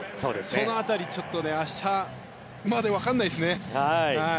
その辺り、明日まで分からないですね。